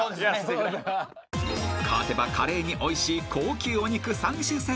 ［勝てばカレーにおいしい高級お肉３種セット］